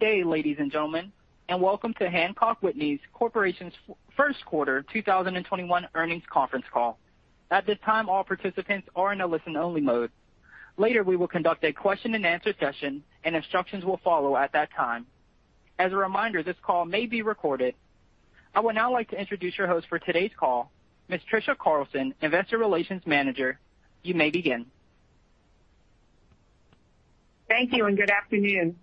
Good day, ladies and gentlemen, and welcome to Hancock Whitney Corporation's first quarter 2021 earnings conference call. At this time, all participants are in a listen-only mode. Later, we will conduct a question and answer session, and instructions will follow at that time. As a reminder, this call may be recorded. I would now like to introduce your host for today's call, Ms. Trisha Carlson, Investor Relations Manager. You may begin. Thank you, and good afternoon.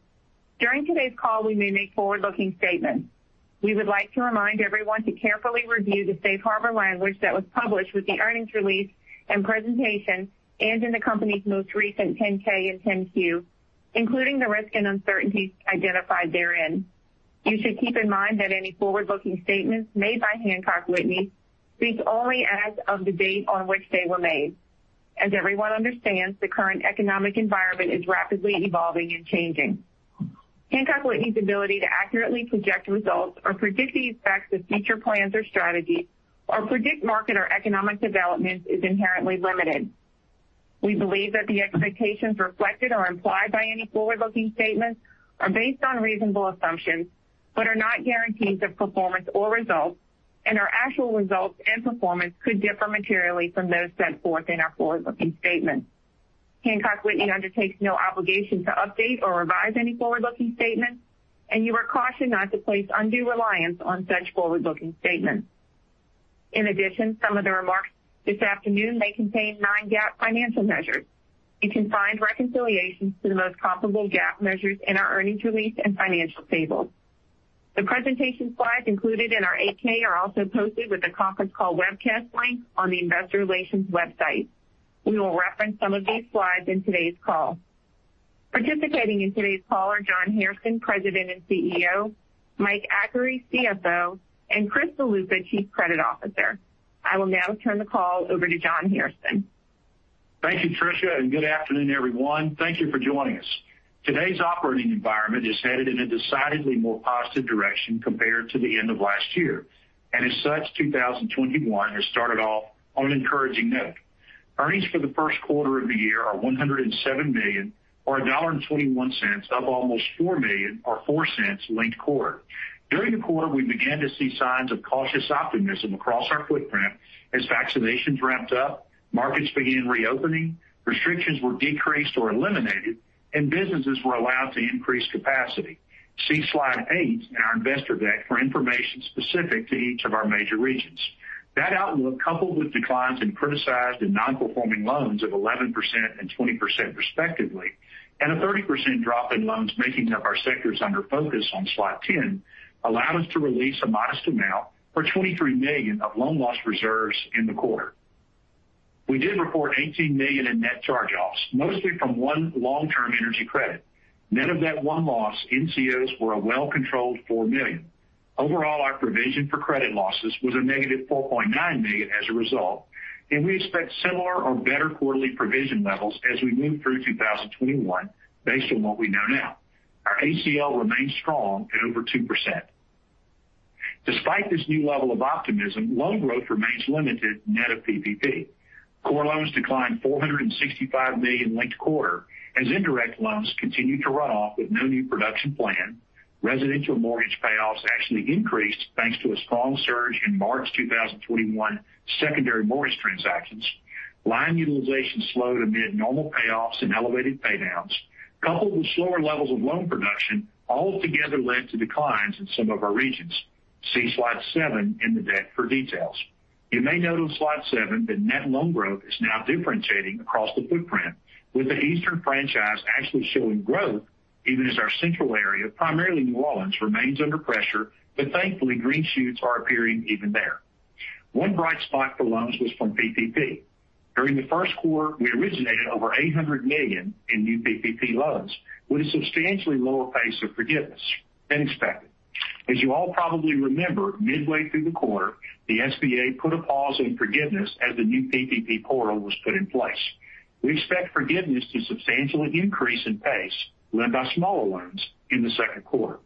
During today's call, we may make forward-looking statements. We would like to remind everyone to carefully review the safe harbor language that was published with the earnings release and presentation and in the company's most recent 10-K and 10-Q, including the risks and uncertainties identified therein. You should keep in mind that any forward-looking statements made by Hancock Whitney speak only as of the date on which they were made. As everyone understands, the current economic environment is rapidly evolving and changing. Hancock Whitney's ability to accurately project results or predict the effects of future plans or strategies or predict market or economic developments is inherently limited. We believe that the expectations reflected or implied by any forward-looking statements are based on reasonable assumptions, but are not guarantees of performance or results, and our actual results and performance could differ materially from those set forth in our forward-looking statements. Hancock Whitney undertakes no obligation to update or revise any forward-looking statements, and you are cautioned not to place undue reliance on such forward-looking statements. Some of the remarks this afternoon may contain non-GAAP financial measures. You can find reconciliations to the most comparable GAAP measures in our earnings release and financial tables. The presentation slides included in our 8-K are also posted with the conference call webcast link on the investor relations website. We will reference some of these slides in today's call. Participating in today's call are John Hairston, President and CEO, Mike Achary, CFO, and Chris Ziluca, Chief Credit Officer. I will now turn the call over to John Hairston. Thank you, Trisha, and good afternoon, everyone. Thank you for joining us. Today's operating environment is headed in a decidedly more positive direction compared to the end of last year. As such, 2021 has started off on an encouraging note. Earnings for the first quarter of the year are $107 million, or $1.21, up almost $4 million or $0.04 linked quarter. During the quarter, we began to see signs of cautious optimism across our footprint as vaccinations ramped up, markets began reopening, restrictions were decreased or eliminated, and businesses were allowed to increase capacity. See slide eight in our investor deck for information specific to each of our major regions. That outlook, coupled with declines in criticized and non-performing loans of 11% and 20% respectively, and a 30% drop in loans making up our sectors under focus on slide 10 allow us to release a modest amount for $23 million of loan loss reserves in the quarter. We did report $18 million in Net Charge-Offs, mostly from one long-term energy credit. Net of that one loss, NCOs were a well-controlled $4 million. Overall, our provision for credit losses was a negative $4.9 million as a result, and we expect similar or better quarterly provision levels as we move through 2021 based on what we know now. Our ACL remains strong at over 2%. Despite this new level of optimism, loan growth remains limited net of PPP. Core loans declined $465 million linked quarter as indirect loans continued to run off with no new production planned. Residential mortgage payoffs actually increased thanks to a strong surge in March 2021 secondary mortgage transactions. Line utilization slowed amid normal payoffs and elevated paydowns, coupled with slower levels of loan production altogether led to declines in some of our regions. See slide seven in the deck for details. You may note on slide seven that net loan growth is now differentiating across the footprint, with the eastern franchise actually showing growth even as our central area, primarily New Orleans, remains under pressure, but thankfully, green shoots are appearing even there. One bright spot for loans was from PPP. During the first quarter, we originated over $800 million in new PPP loans with a substantially lower pace of forgiveness than expected. You all probably remember, midway through the quarter, the SBA put a pause on forgiveness as the new PPP portal was put in place. We expect forgiveness to substantially increase in pace led by smaller loans in the second quarter.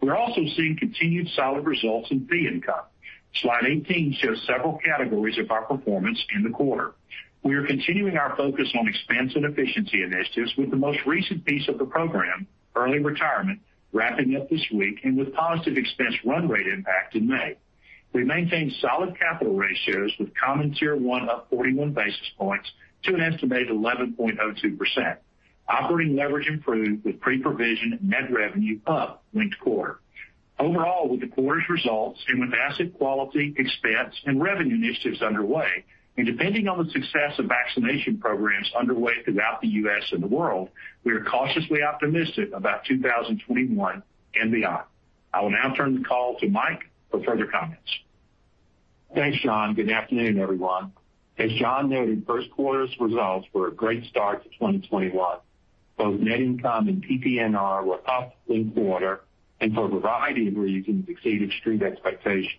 We're also seeing continued solid results in fee income. Slide 18 shows several categories of our performance in the quarter. We are continuing our focus on expense and efficiency initiatives with the most recent piece of the program, Early Retirement, wrapping up this week and with positive expense run rate impact in May. We maintained solid capital ratios with Common Tier 1 up 41 basis points to an estimated 11.02%. Operating leverage improved with pre-provision net revenue up linked quarter. Overall, with the quarter's results and with asset quality, expense, and revenue initiatives underway, and depending on the success of vaccination programs underway throughout the U.S. and the world, we are cautiously optimistic about 2021 and beyond. I will now turn the call to Mike for further comments. Thanks, John. Good afternoon, everyone. As John noted, first quarter's results were a great start to 2021. Both net income and PPNR were up linked quarter, and for a variety of reasons exceeded Street expectations.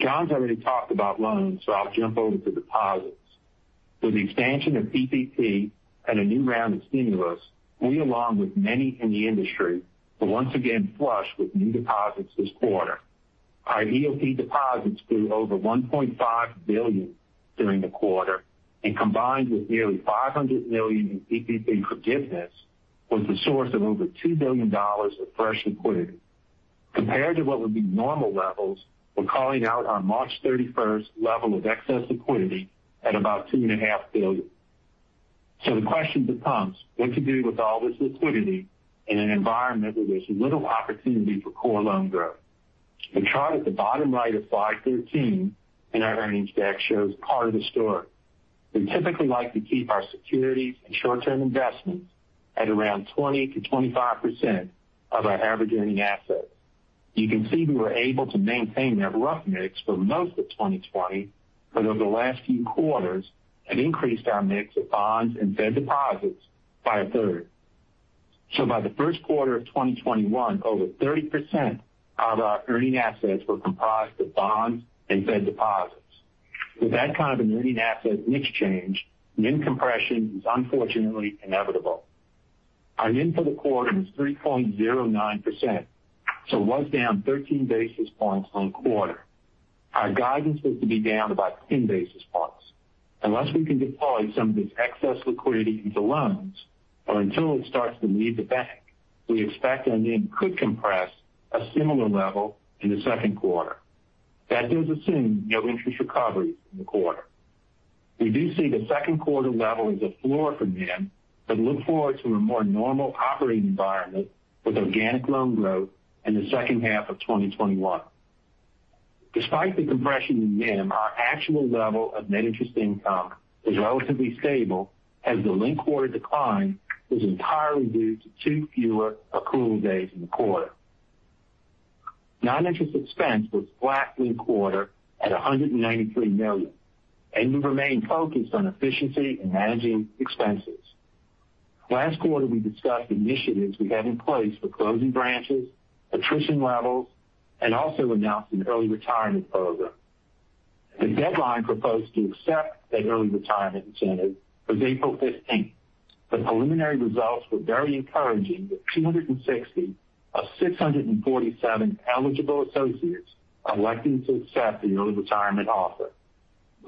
John's already talked about loans, so I'll jump over to deposits. With the expansion of PPP and a new round of stimulus, we along with many in the industry were once again flush with new deposits this quarter. Our EOP deposits grew over $1.5 billion during the quarter, and combined with nearly $500 million in PPP forgiveness, was the source of over $2 billion of fresh liquidity. Compared to what would be normal levels, we're calling out our March 31st level of excess liquidity at about $2.5 billion. The question becomes what to do with all this liquidity in an environment where there's little opportunity for core loan growth. The chart at the bottom right of slide 13 in our earnings deck shows part of the story. We typically like to keep our securities and short-term investments at around 20%-25% of our average earning assets. You can see we were able to maintain that rough mix for most of 2020, but over the last few quarters have increased our mix of bonds and Fed deposits by a third. By the first quarter of 2021, over 30% of our earning assets were comprised of bonds and Fed deposits. With that kind of an earning asset mix change, NIM compression is unfortunately inevitable. Our NIM for the quarter was 3.09%, so was down 13 basis points on quarter. Our guidance was to be down about 10 basis points. Unless we can deploy some of this excess liquidity into loans, or until it starts to leave the bank, we expect our NIM could compress a similar level in the second quarter. That does assume no interest recoveries in the quarter. We do see the second quarter level as a floor for NIM, but look forward to a more normal operating environment with organic loan growth in the second half of 2021. Despite the compression in NIM, our actual level of net interest income is relatively stable as the linked quarter decline is entirely due to two fewer accrual days in the quarter. Non-interest expense was flat linked quarter at $193 million, and we remain focused on efficiency and managing expenses. Last quarter, we discussed initiatives we have in place for closing branches, attrition levels, and also announced an Early Retirement Program. The deadline proposed to accept that Early Retirement Incentive was April 15th. The preliminary results were very encouraging with 260 of 647 eligible associates electing to accept the early retirement offer.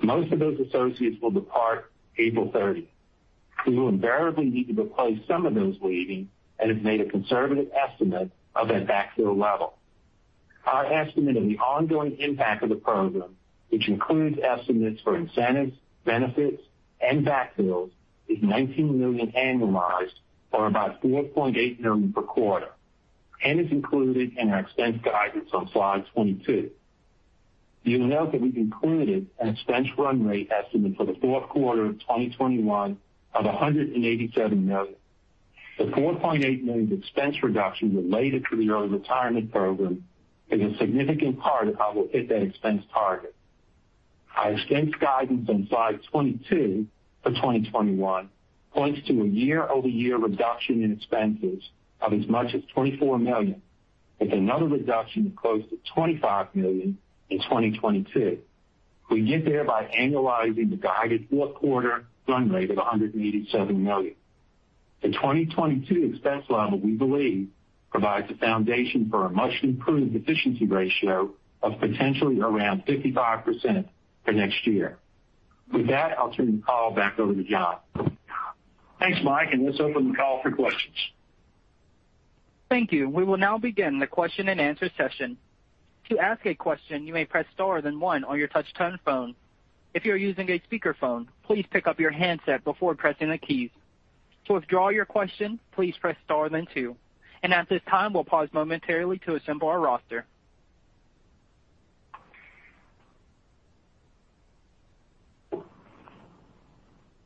Most of those associates will depart April 30th. We will invariably need to replace some of those leaving and have made a conservative estimate of that backfill level. Our estimate of the ongoing impact of the program, which includes estimates for incentives, benefits, and backfills, is $19 million annualized or about $4.8 million per quarter, and is included in our expense guidance on slide 22. You'll note that we've included an expense run rate estimate for the fourth quarter of 2021 of $187 million. The $4.8 million expense reduction related to the early retirement program is a significant part of how we'll hit that expense target. Our expense guidance on slide 22 for 2021 points to a year-over-year reduction in expenses of as much as $24 million, with another reduction of close to $25 million in 2022. We get there by annualizing the guided fourth quarter run rate of $187 million. The 2022 expense level, we believe, provides a foundation for a much-improved efficiency ratio of potentially around 55% for next year. With that, I'll turn the call back over to John. Thanks, Mike. Let's open the call for questions. Thank you. We will now begin the question and answer session. To ask a question, you may press star then one on your touchtone phone. If you are using a speakerphone, please pick up your handset before pressing the key. To withdraw your question, please press star then two. At this time, we'll pause momentarily to assemble our roster.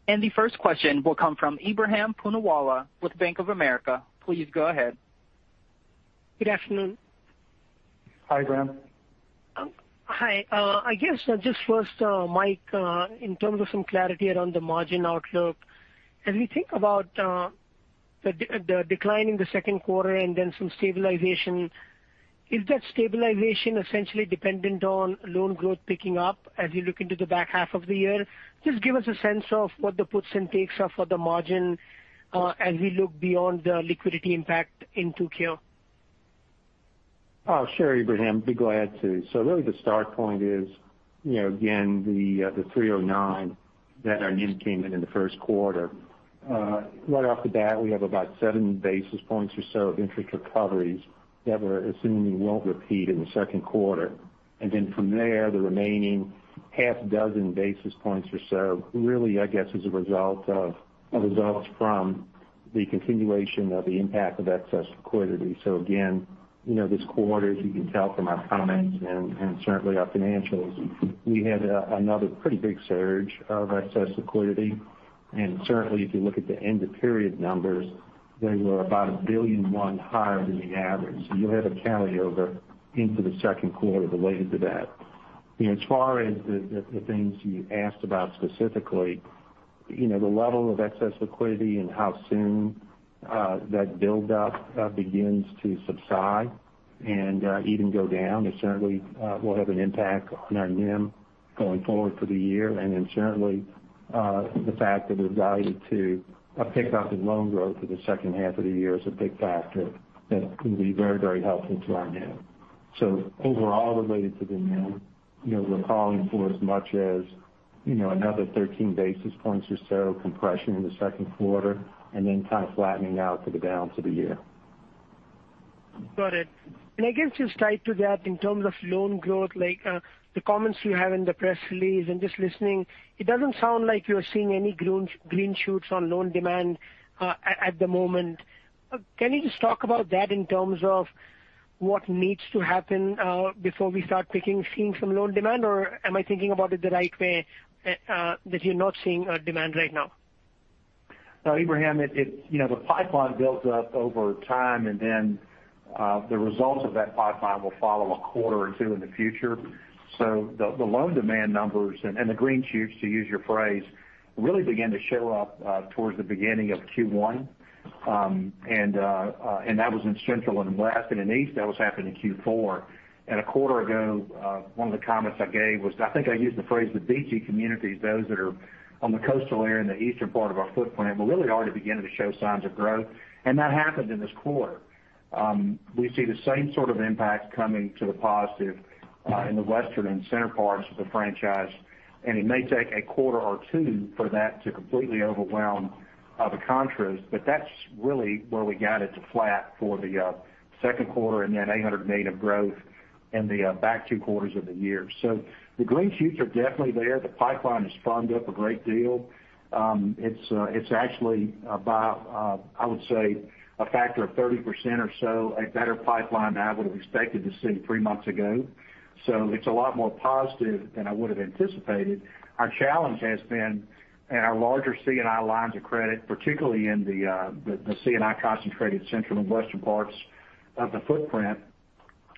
The first question will come from Ebrahim Poonawala with Bank of America. Please go ahead. Good afternoon. Hi, Ebrahim. Hi. I guess just first, Mike, in terms of some clarity around the margin outlook, as we think about the decline in the second quarter and then some stabilization, is that stabilization essentially dependent on loan growth picking up as we look into the back half of the year? Just give us a sense of what the puts and takes are for the margin as we look beyond the liquidity impact into quarter. Sure, Ebrahim, be glad to. Really the start point is again, the 309 that our NIM came in in the first quarter. Right off the bat, we have about seven basis points or so of interest recoveries that we're assuming won't repeat in the second quarter. From there, the remaining half dozen basis points or so really, I guess, is a result from the continuation of the impact of excess liquidity. Again, this quarter, as you can tell from our comments and certainly our financials, we had another pretty big surge of excess liquidity. Certainly, if you look at the end of period numbers, they were about $1 billion and one higher than the average. You'll have a carryover into the second quarter related to that. As far as the things you asked about specifically, the level of excess liquidity and how soon that build up begins to subside and even go down, it certainly will have an impact on our NIM. Going forward for the year, and then certainly, the fact that we're guided to a pickup in loan growth for the second half of the year is a big factor that can be very helpful to our net. Overall related to the net, we're calling for as much as another 13 basis points or so compression in the second quarter, and then kind of flattening out to the down to the year. Got it. I guess just tied to that in terms of loan growth, the comments you have in the press release and just listening, it doesn't sound like you're seeing any green shoots on loan demand at the moment. Can you just talk about that in terms of what needs to happen before we start picking, seeing some loan demand, or am I thinking about it the right way, that you're not seeing demand right now? No, Ebrahim, the pipeline builds up over time, and then the results of that pipeline will follow a quarter or two in the future. The loan demand numbers and the green shoots, to use your phrase, really began to show up towards the beginning of Q1. That was in Central and West. In East, that was happening in Q4. A quarter ago, one of the comments I gave was, I think I used the phrase the beachy communities, those that are on the coastal area in the eastern part of our footprint, were really already beginning to show signs of growth. That happened in this quarter. We see the same sort of impact coming to the positive in the Western and central parts of the franchise, and it may take a quarter or two for that to completely overwhelm the contrary, but that's really where we guided to flat for the second quarter and then $800 million of growth in the back two quarters of the year. The green shoots are definitely there. The pipeline has sprung up a great deal. It's actually about, I would say, a factor of 30% or so, a better pipeline than I would've expected to see three months ago. It's a lot more positive than I would've anticipated. Our challenge has been in our larger C&I lines of credit, particularly in the C&I concentrated central and western parts of the footprint.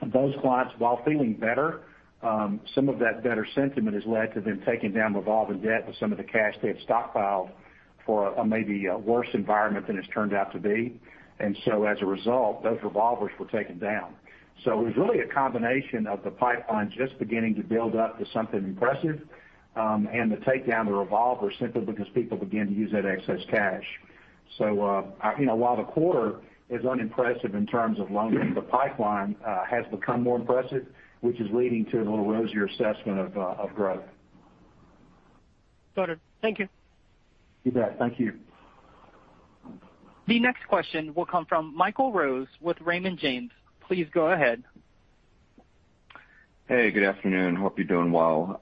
Those clients, while feeling better, some of that better sentiment has led to them taking down revolving debt with some of the cash they had stockpiled for maybe a worse environment than it's turned out to be. As a result, those revolvers were taken down. It was really a combination of the pipeline just beginning to build up to something impressive, and the takedown of revolvers simply because people began to use that excess cash. While the quarter is unimpressive in terms of loans, the pipeline has become more impressive, which is leading to a little rosier assessment of growth. Got it. Thank you. You bet. Thank you. The next question will come from Michael Rose with Raymond James. Please go ahead. Hey, good afternoon. Hope you're doing well.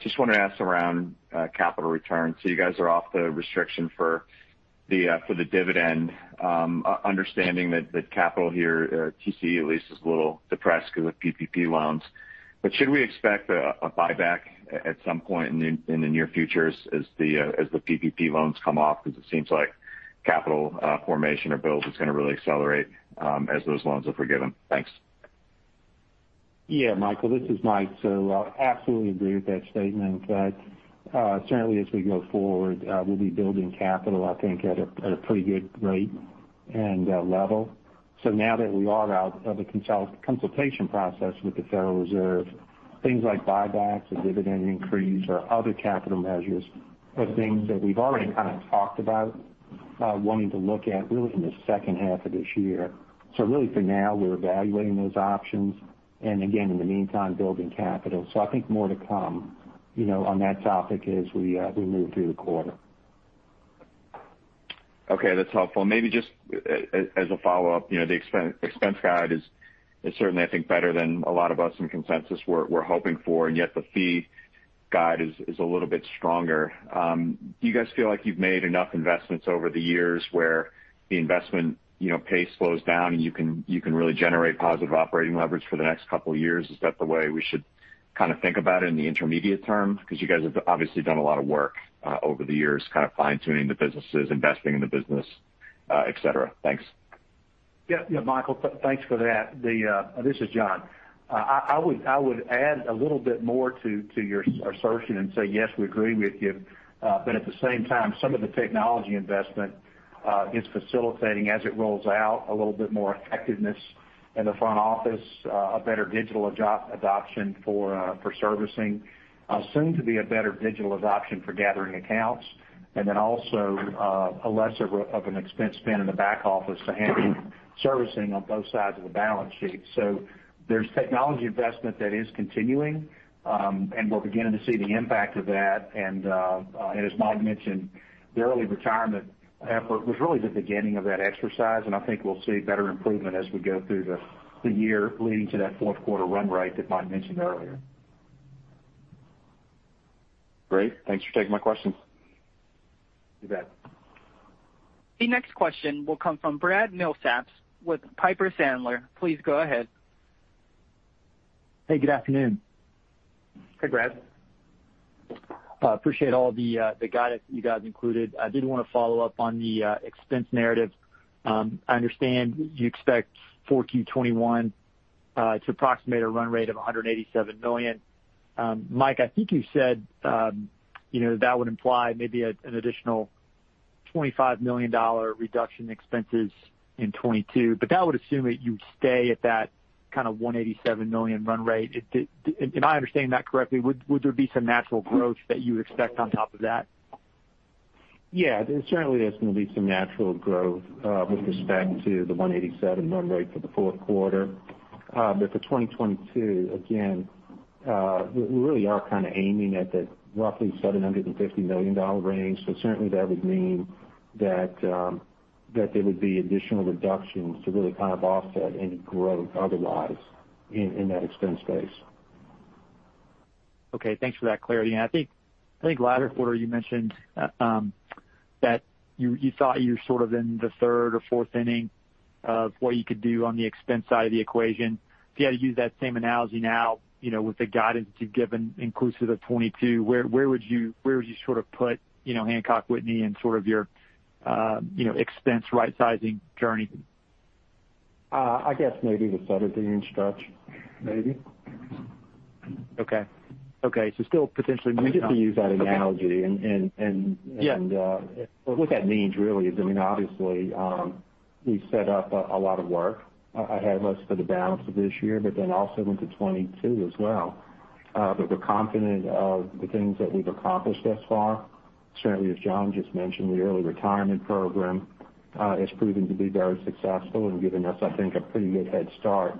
Just wanted to ask around capital returns. You guys are off the restriction for the dividend, understanding that capital here, TCE at least, is a little depressed because of PPP loans. Should we expect a buyback at some point in the near future as the PPP loans come off? It seems like capital formation or build is going to really accelerate as those loans are forgiven. Thanks. Yeah, Michael this is Mike. Absolutely agree with that statement. Certainly as we go forward, we'll be building capital, I think, at a pretty good rate and level. Now that we are out of the consultation process with the Federal Reserve, things like buybacks or dividend increase or other capital measures are things that we've already kind of talked about wanting to look at really in the second half of this year. Really for now, we're evaluating those options, and again, in the meantime, building capital. I think more to come on that topic as we move through the quarter. Okay, that's helpful. Maybe just as a follow-up, the expense guide is certainly, I think, better than a lot of us in consensus were hoping for, and yet the fee guide is a little bit stronger. Do you guys feel like you've made enough investments over the years where the investment pace slows down and you can really generate positive operating leverage for the next couple of years? Is that the way we should kind of think about it in the intermediate term? Because you guys have obviously done a lot of work over the years, kind of fine-tuning the businesses, investing in the business, et cetera. Thanks. Yeah, Michael, thanks for that. This is John. I would add a little bit more to your assertion and say yes, we agree with you. At the same time, some of the technology investment is facilitating, as it rolls out, a little bit more effectiveness in the front office, a better digital adoption for servicing. Soon to be a better digital adoption for gathering accounts, and then also, a lesser of an expense spend in the back office to handle servicing on both sides of the balance sheet. There's technology investment that is continuing, and we're beginning to see the impact of that. As Mike mentioned, the early retirement effort was really the beginning of that exercise, and I think we'll see better improvement as we go through the year leading to that fourth quarter run rate that Mike mentioned earlier. Great. Thanks for taking my questions. You bet. The next question will come from Bradley Milsaps with Piper Sandler. Please go ahead. Hey, good afternoon. Hey, Brad. Appreciate all the guidance you guys included. I did want to follow up on the expense narrative. I understand you expect 4Q 2021 to approximate a run rate of $187 million. Mike, I think you said that would imply maybe an additional. $25 million reduction expenses in 2022, but that would assume that you stay at that kind of $187 million run rate. Am I understanding that correctly? Would there be some natural growth that you would expect on top of that? Yeah. Certainly, there's going to be some natural growth with respect to the 187 run rate for the fourth quarter. For 2022, again, we really are kind of aiming at that roughly $750 million range. Certainly that would mean that there would be additional reductions to really kind of offset any growth otherwise in that expense base. Okay. Thanks for that clarity. I think last quarter you mentioned that you thought you were sort of in the third or fourth inning of what you could do on the expense side of the equation. If you had to use that same analogy now with the guidance you've given inclusive of 2022, where would you sort of put Hancock Whitney in sort of your expense right-sizing journey? I guess maybe the seventh inning stretch, maybe. Okay. still potentially- Just to use that analogy. Yeah. What that means really is, obviously we've set up a lot of work ahead of us for the balance of this year, but then also into 2022 as well. We're confident of the things that we've accomplished thus far. Certainly, as John just mentioned, the early retirement program has proven to be very successful and given us, I think, a pretty good head start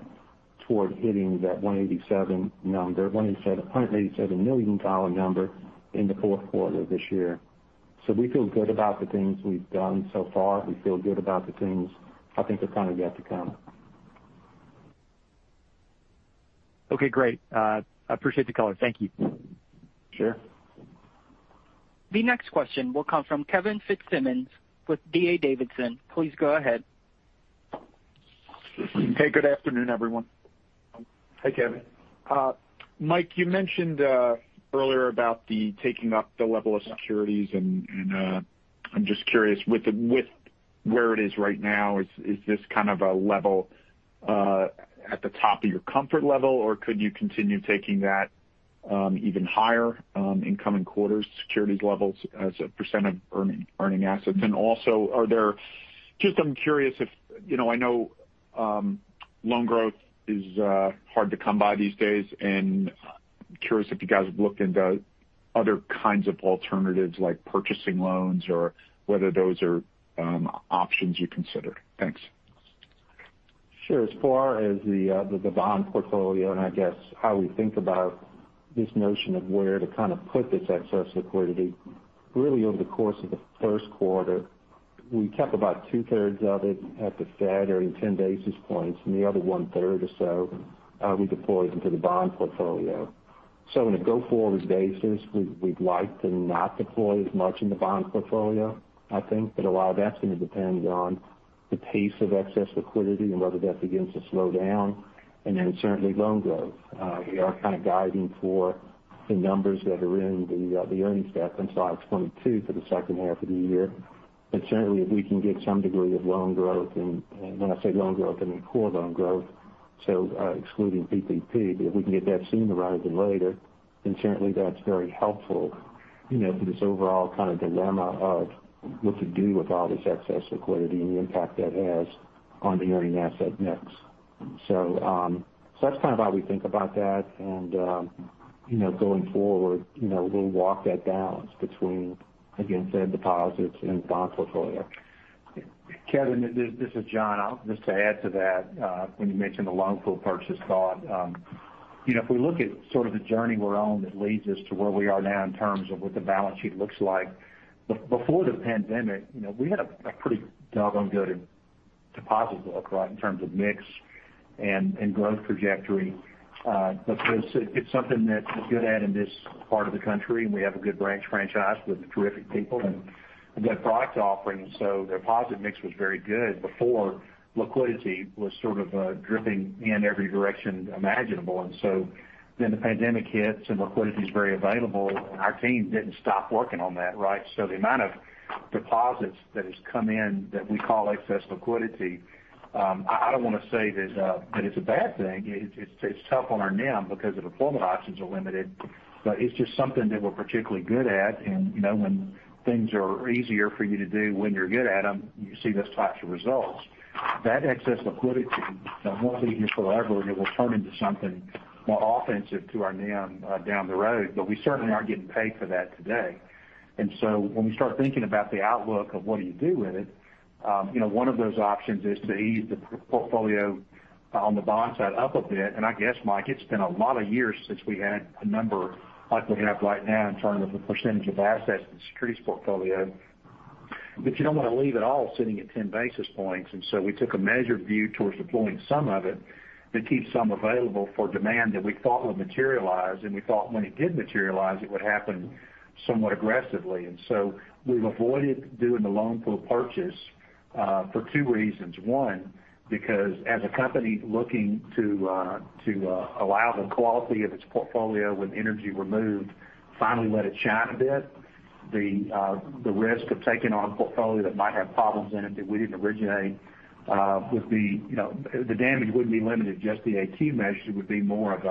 toward hitting that $187 million number in the fourth quarter of this year. We feel good about the things we've done so far. We feel good about the things, I think, that are yet to come. Okay, great. I appreciate the color. Thank you. Sure. The next question will come from Kevin Fitzsimmons with D.A. Davidson. Please go ahead. Hey, good afternoon, everyone. Hey, Kevin. Mike, you mentioned earlier about the taking up the level of securities and I'm just curious with where it is right now, is this kind of a level at the top of your comfort level or could you continue taking that even higher in coming quarters, securities levels as a percent of earning assets? Also just I'm curious I know loan growth is hard to come by these days and curious if you guys have looked into other kinds of alternatives like purchasing loans or whether those are options you consider? Thanks. Sure. As far as the bond portfolio and I guess how we think about this notion of where to kind of put this excess liquidity. Really over the course of the first quarter, we kept about 2/3 of it at the Fed earning 10 basis points and the other 1/3 or so we deployed into the bond portfolio. On a go forward basis, we'd like to not deploy as much in the bond portfolio, I think. A lot of that's going to depend on the pace of excess liquidity and whether that begins to slow down and then certainly loan growth. We are kind of guiding for the numbers that are in the earnings deck in slide 22 for the second half of the year. Certainly if we can get some degree of loan growth and when I say loan growth, I mean core loan growth so excluding PPP. If we can get that sooner rather than later, then certainly that's very helpful to this overall kind of dilemma of what to do with all this excess liquidity and the impact that has on the earning asset mix. That's kind of how we think about that. Going forward we'll walk that balance between, again, Fed deposits and bond portfolio. Kevin, this is John. Just to add to that when you mentioned the loan pool purchase thought. If we look at sort of the journey we're on that leads us to where we are now in terms of what the balance sheet looks like. Before the pandemic, we had a pretty doggone good deposit book, right? In terms of mix and growth trajectory. It's something that we're good at in this part of the country, and we have a good branch franchise with terrific people and a good product offering. The deposit mix was very good before liquidity was sort of dripping in every direction imaginable. The pandemic hits and liquidity is very available. Our team didn't stop working on that, right? The amount of deposits that has come in that we call excess liquidity, I don't want to say that it's a bad thing. It's tough on our NIM because the deployment options are limited, but it's just something that we're particularly good at. When things are easier for you to do when you're good at them, you see those types of results. That excess liquidity won't be here forever, and it will turn into something more offensive to our NIM down the road. We certainly aren't getting paid for that today. When we start thinking about the outlook of what do you do with it, one of those options is to ease the portfolio on the bond side up a bit. I guess, Mike, it's been a lot of years since we had a number like we have right now in terms of the percentage of assets in the securities portfolio. You don't want to leave it all sitting at 10 basis points. We took a measured view towards deploying some of it to keep some available for demand that we thought would materialize. We thought when it did materialize, it would happen somewhat aggressively. We've avoided doing the loan pool purchase for two reasons. One, because as a company looking to allow the quality of its portfolio with energy removed, finally let it shine a bit, the risk of taking on a portfolio that might have problems in it that we didn't originate, the damage wouldn't be limited to just the AT measure, it would be more of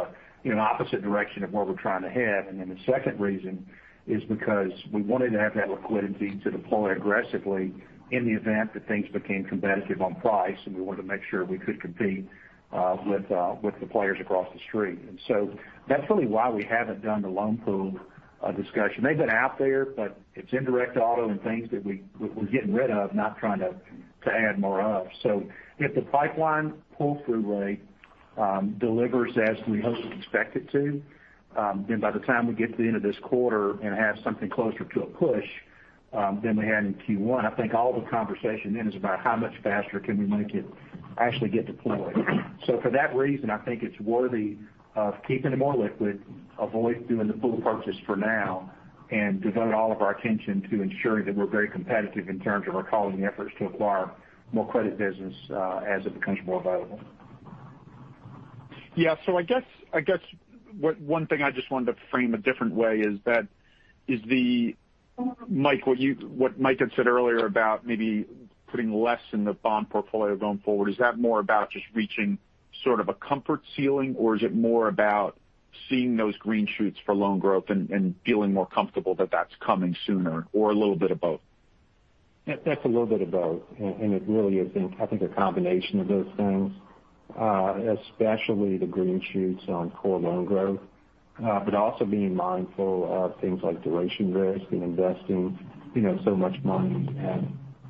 an opposite direction of where we're trying to head. The second reason is because we wanted to have that liquidity to deploy aggressively in the event that things became competitive on price, and we wanted to make sure we could compete with the players across the street. That's really why we haven't done the loan pool discussion. They've been out there, but it's indirect auto and things that we're getting rid of, not trying to add more of. If the pipeline pull-through rate delivers as we hope and expect it to, then by the time we get to the end of this quarter and have something closer to a push than we had in Q1, I think all the conversation then is about how much faster can we make it actually get deployed. For that reason, I think it's worthy of keeping it more liquid, avoid doing the full purchase for now, and devote all of our attention to ensuring that we're very competitive in terms of our calling efforts to acquire more credit business as it becomes more available. I guess, one thing I just wanted to frame a different way is that, what Mike had said earlier about maybe putting less in the bond portfolio going forward, is that more about just reaching sort of a comfort ceiling, or is it more about seeing those green shoots for loan growth and feeling more comfortable that that's coming sooner, or a little bit of both? That's a little bit of both. It really is, I think, a combination of those things, especially the green shoots on core loan growth. Also being mindful of things like duration risk and investing so much money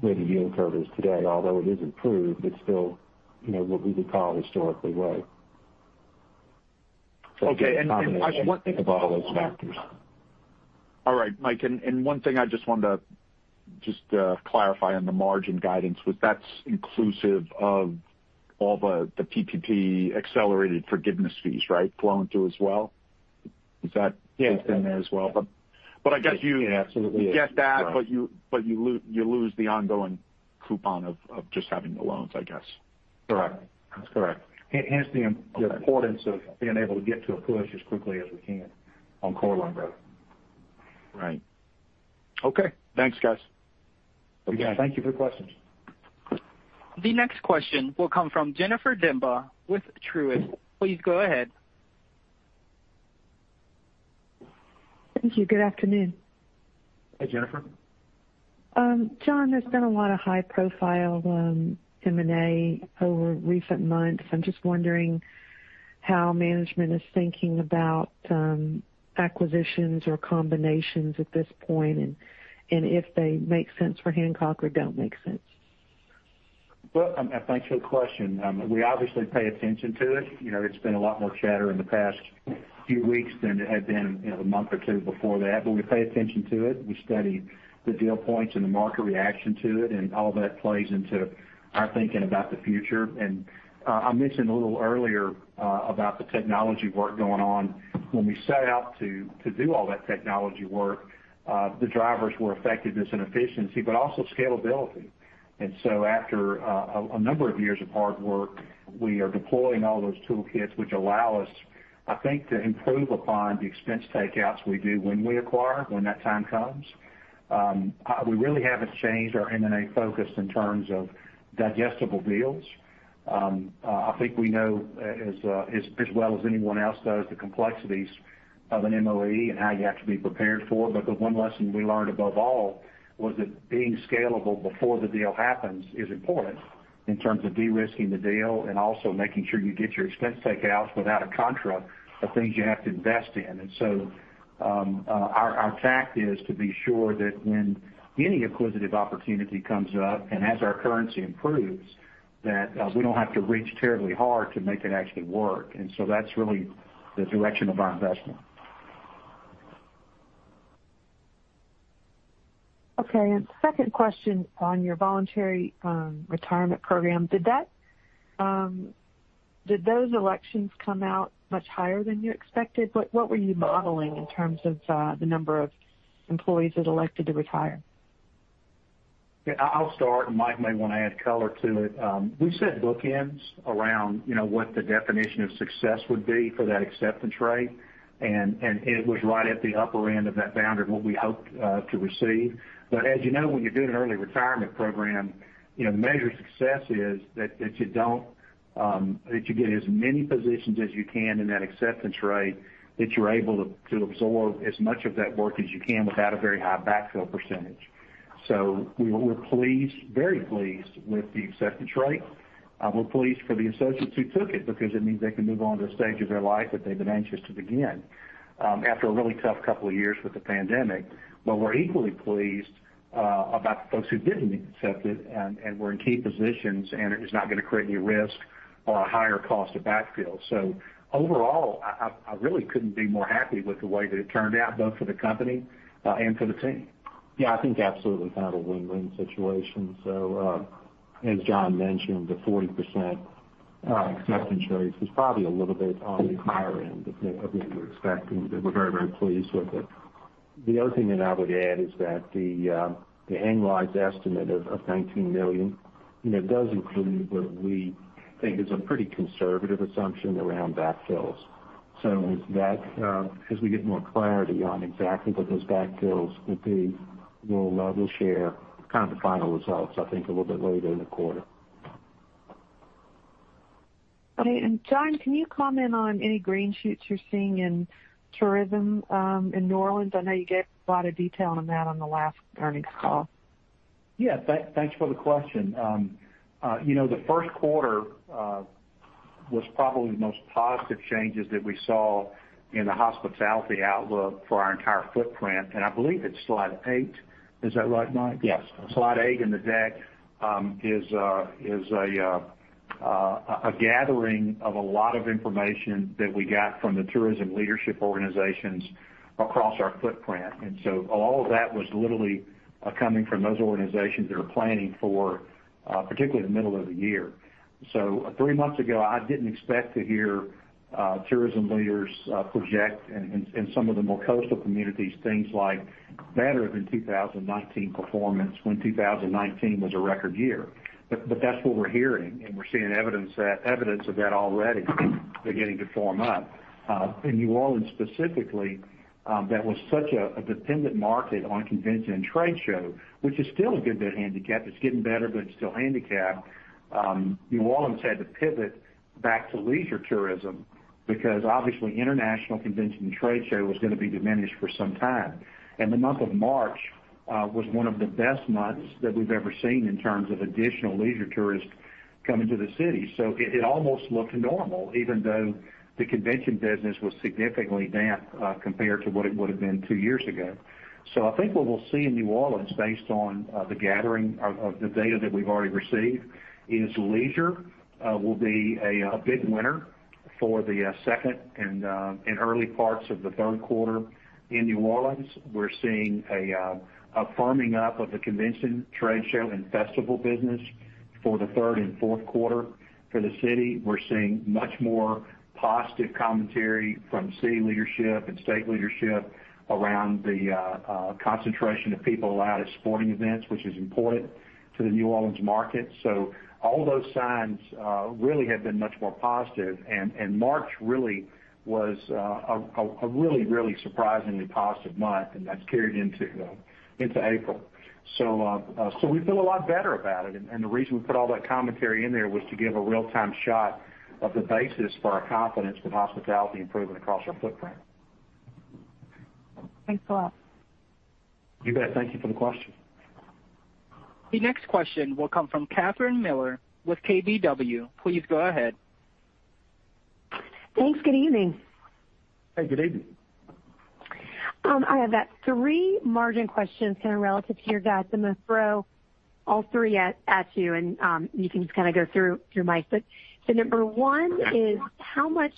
where the yield curve is today, although it has improved, but still what we would call historically low. Okay. It's a combination of all those factors. All right, Mike, one thing I just wanted to clarify on the margin guidance was, that's inclusive of all the PPP accelerated forgiveness fees, right, flowing through as well? Yes. in there as well? I guess. Yeah, absolutely. You get that, but you lose the ongoing coupon of just having the loans, I guess. Correct. That's correct. Hence the importance of being able to get to a push as quickly as we can on core loan growth. Right. Okay. Thanks, guys. Again, thank you for questions. The next question will come from Jennifer Demba with Truist. Please go ahead. Thank you. Good afternoon. Hi, Jennifer. John, there's been a lot of high-profile M&A over recent months. I'm just wondering how management is thinking about acquisitions or combinations at this point, and if they make sense for Hancock or don't make sense. Well, thanks for the question. We obviously pay attention to it. There's been a lot more chatter in the past few weeks than there had been a month or two before that, but we pay attention to it. We study the deal points and the market reaction to it, and all that plays into our thinking about the future. I mentioned a little earlier about the technology work going on. When we set out to do all that technology work, the drivers were effectiveness and efficiency, but also scalability. After a number of years of hard work, we are deploying all those toolkits, which allow us, I think, to improve upon the expense takeouts we do when we acquire, when that time comes. We really haven't changed our M&A focus in terms of digestible deals. I think we know, as well as anyone else does, the complexities of an MOE and how you have to be prepared for it. The one lesson we learned above all was that being scalable before the deal happens is important in terms of de-risking the deal and also making sure you get your expense takeouts without a contra of things you have to invest in. Our tact is to be sure that when any acquisitive opportunity comes up, and as our currency improves, that we don't have to reach terribly hard to make it actually work. That's really the direction of our investment. Okay. Second question on your voluntary retirement program. Did those elections come out much higher than you expected? What were you modeling in terms of the number of employees that elected to retire? I'll start, and Mike may want to add color to it. We set bookends around what the definition of success would be for that acceptance rate, and it was right at the upper end of that boundary of what we hoped to receive. As you know, when you're doing an early retirement program, the measure of success is that you get as many positions as you can in that acceptance rate, that you're able to absorb as much of that work as you can without a very high backfill percentage. We're very pleased with the acceptance rate. We're pleased for the associates who took it because it means they can move on to a stage of their life that they've been anxious to begin after a really tough couple of years with the pandemic. We're equally pleased about the folks who didn't accept it and were in key positions, and it is not going to create any risk or a higher cost of backfill. Overall, I really couldn't be more happy with the way that it turned out, both for the company and for the team. Yeah, I think absolutely kind of a win-win situation. As John mentioned, the 40% acceptance rate was probably a little bit on the higher end of what we were expecting, but we're very, very pleased with it. The other thing that I would add is that the annualized estimate of $19 million does include what we think is a pretty conservative assumption around backfills. As we get more clarity on exactly what those backfills would be, we'll share kind of the final results, I think, a little bit later in the quarter. Okay. John, can you comment on any green shoots you're seeing in tourism, in New Orleans? I know you gave a lot of detail on that on the last earnings call. Yeah. Thanks for the question. The first quarter was probably the most positive changes that we saw in the hospitality outlook for our entire footprint. I believe it's slide eight. Is that right, Mike? Yes. Slide eight in the deck is a gathering of a lot of information that we got from the tourism leadership organizations across our footprint. All of that was literally coming from those organizations that are planning for particularly the middle of the year. So three months ago, I didn't expect to hear tourism leaders project in some of the more coastal communities things like better than 2019 performance when 2019 was a record year. That's what we're hearing, and we're seeing evidence of that already beginning to form up. In New Orleans specifically, that was such a dependent market on convention and trade show, which is still a good bit handicapped. It's getting better, but it's still handicapped. New Orleans had to pivot back to leisure tourism because obviously international convention and trade show was going to be diminished for some time. The month of March was one of the best months that we've ever seen in terms of additional leisure tourists coming to the city. It almost looked normal, even though the convention business was significantly down compared to what it would've been 2 years ago. I think what we'll see in New Orleans, based on the gathering of the data that we've already received, is leisure will be a big winner for the second and early parts of the third quarter in New Orleans. We're seeing a firming up of the convention, trade show, and festival business for the third and fourth quarter. For the city, we're seeing much more positive commentary from city leadership and state leadership around the concentration of people allowed at sporting events, which is important to the New Orleans market. All those signs really have been much more positive, and March really was a really surprisingly positive month, and that's carried into April. We feel a lot better about it, and the reason we put all that commentary in there was to give a real-time shot of the basis for our confidence with hospitality improving across our footprint. Thanks a lot. You bet. Thank you for the question. The next question will come from Catherine Mealor with KBW. Please go ahead. Thanks. Good evening. Hey, good evening. I have about three margin questions kind of relative to your guide. I'm going to throw all three at you, and you can just kind of go through, Mike. Number one is how much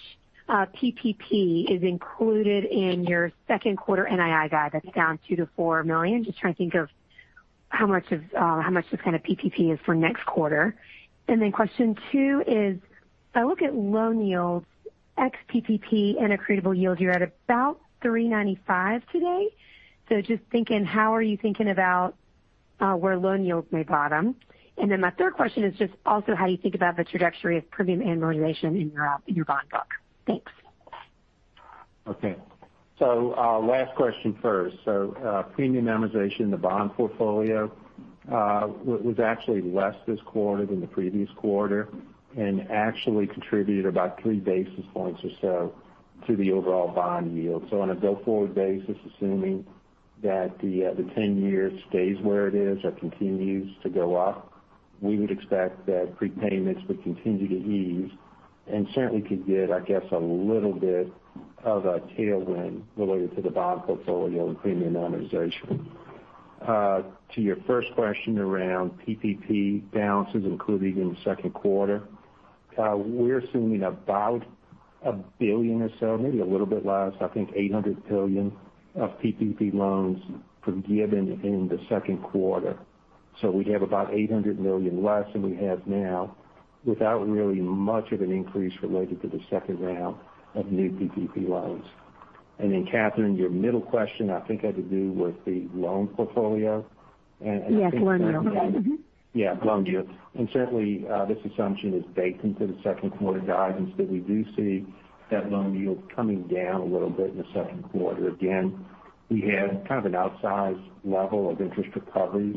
PPP is included in your second quarter NII guide that's down $2 million-$4 million? Just trying to think of how much this kind of PPP is for next quarter. Question two is if I look at loan yields, ex-PPP and accretable yield, you're at about 3.95% today. Just thinking, how are you thinking about where loan yields may bottom? My third question is just also how you think about the trajectory of premium amortization in your bond book. Thanks. Okay. Last question first. Premium amortization in the bond portfolio was actually less this quarter than the previous quarter and actually contributed about three basis points or so to the overall bond yield. On a go-forward basis, assuming that the 10-year stays where it is or continues to go up, we would expect that prepayments would continue to ease and certainly could get, I guess, a little bit of a tailwind related to the bond portfolio and premium amortization. To your first question around PPP downs including in the second quarter, we're assuming about $1 billion or so, maybe a little bit less, I think $800 billion of PPP loans forgiven in the second quarter. We'd have about $800 million less than we have now without really much of an increase related to the second round of new PPP loans. Catherine, your middle question, I think, had to do with the loan portfolio? Yes, loan yield. Yeah, loan yield. Certainly, this assumption is baked into the second quarter guidance that we do see that loan yield coming down a little bit in the second quarter. Again, we had kind of an outsized level of interest recoveries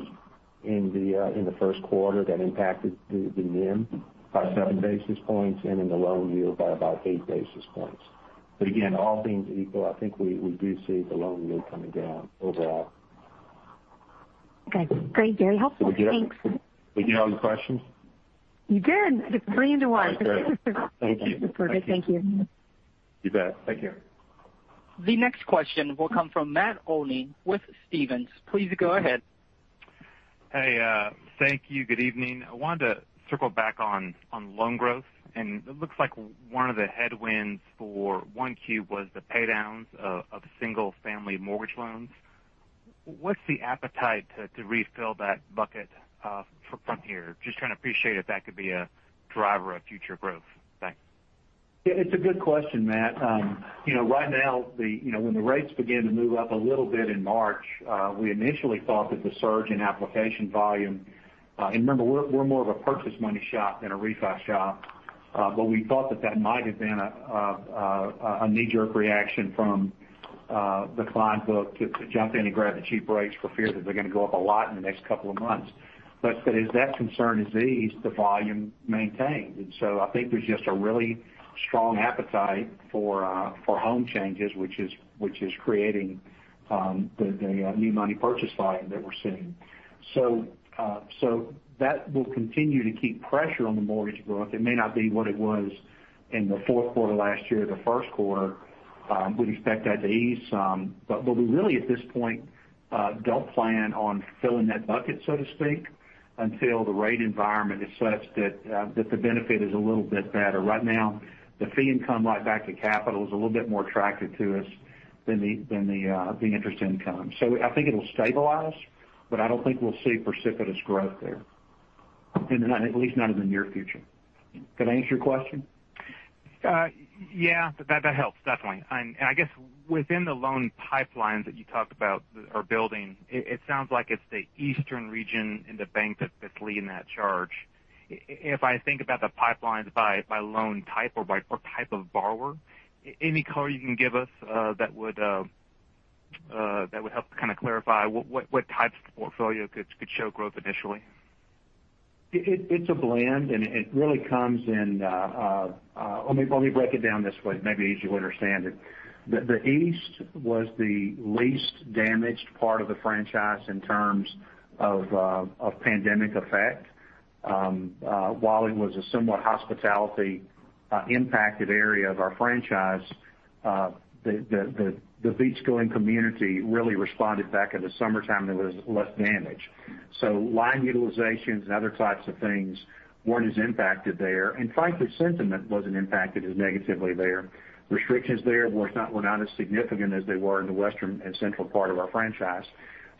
in the first quarter that impacted the NIM by seven basis points and in the loan yield by about eight basis points. Again, all things equal, I think we do see the loan yield coming down overall. Okay. Great. Very helpful. Thanks. Did we get them? We get all the questions? You did. Just three into one. Okay. Thank you. Perfect. Thank you. You bet. Take care. The next question will come from Matt Olney with Stephens. Please go ahead. Hey. Thank you. Good evening. I wanted to circle back on loan growth. It looks like one of the headwinds for 1Q was the pay downs of single-family mortgage loans. What's the appetite to refill that bucket from here? Just trying to appreciate if that could be a driver of future growth. Thanks. Yeah, it's a good question, Matt. Right now, when the rates began to move up a little bit in March, we initially thought that the surge in application volume, remember, we're more of a purchase money shop than a refi shop. We thought that that might have been a knee-jerk reaction from the client book to jump in and grab the cheap rates for fear that they're going to go up a lot in the next couple of months. As that concern has eased, the volume maintained. I think there's just a really strong appetite for home changes, which is creating the new money purchase volume that we're seeing. That will continue to keep pressure on the mortgage growth. It may not be what it was in the fourth quarter last year, the first quarter. We'd expect that to ease some. We really, at this point, don't plan on filling that bucket, so to speak, until the rate environment is such that the benefit is a little bit better. Right now, the fee income right back to capital is a little bit more attractive to us than the interest income. I think it'll stabilize, but I don't think we'll see precipitous growth there. At least not in the near future. Did I answer your question? Yeah. That helps, definitely. I guess within the loan pipelines that you talked about are building, it sounds like it's the eastern region in the bank that's leading that charge. If I think about the pipelines by loan type or type of borrower, any color you can give us that would help to kind of clarify what types of portfolio could show growth initially? It's a blend. It really comes in. Let me break it down this way, maybe easier to understand it. The East was the least damaged part of the franchise in terms of pandemic effect. While it was a somewhat hospitality-impacted area of our franchise, the beachgoing community really responded back in the summertime. There was less damage. Line utilizations and other types of things weren't as impacted there. Frankly, sentiment wasn't impacted as negatively there. Restrictions there were not as significant as they were in the western and central part of our franchise.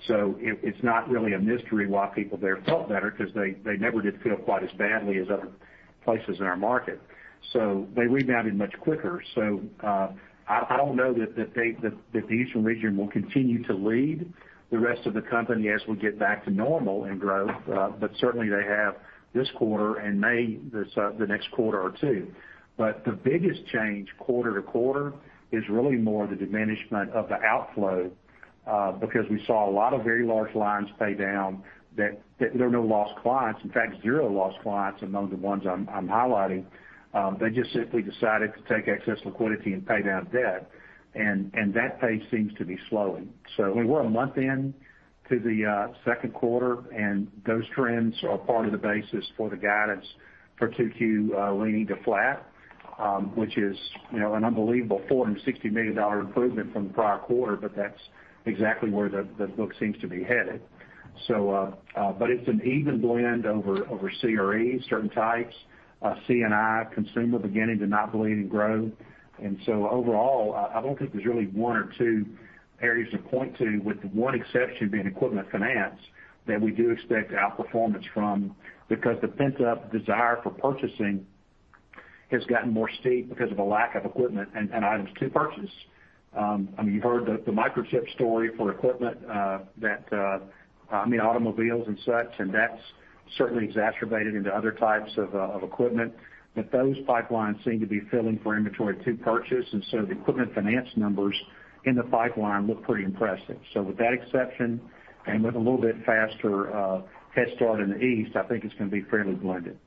It's not really a mystery why people there felt better, because they never did feel quite as badly as other places in our market. They rebounded much quicker. I don't know that the Eastern region will continue to lead the rest of the company as we get back to normal in growth. Certainly, they have this quarter and may the next quarter or two. The biggest change quarter to quarter is really more the diminishment of the outflow. We saw a lot of very large lines pay down that there are no lost clients. In fact, zero lost clients among the ones I'm highlighting. They just simply decided to take excess liquidity and pay down debt, and that pace seems to be slowing. We were a month in to the second quarter, and those trends are part of the basis for the guidance for 2Q leaning to flat, which is an unbelievable $460 million improvement from the prior quarter, but that's exactly where the book seems to be headed. It's an even blend over CRE, certain types. C&I consumer beginning to not believe in growth. Overall, I don't think there's really one or two areas to point to, with the one exception being equipment finance, that we do expect outperformance from because the pent-up desire for purchasing has gotten more steep because of a lack of equipment and items to purchase. You've heard the microchip story for equipment, automobiles and such. That's certainly exacerbated into other types of equipment. Those pipelines seem to be filling for inventory to purchase. The equipment finance numbers in the pipeline look pretty impressive. With that exception and with a little bit faster head start in the East, I think it's going to be fairly blended.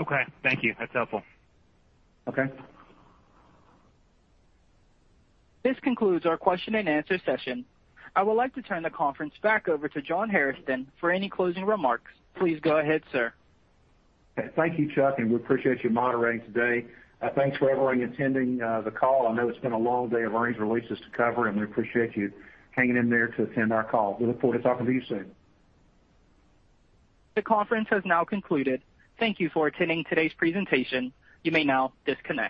Okay. Thank you. That's helpful. Okay. This concludes our question and answer session. I would like to turn the conference back over to John Hairston for any closing remarks. Please go ahead, sir. Thank you, Chuck. We appreciate you moderating today. Thanks for everyone attending the call. I know it's been a long day of earnings releases to cover, and we appreciate you hanging in there to attend our call. We look forward to talking to you soon. The conference has now concluded. Thank you for attending today's presentation. You may now disconnect.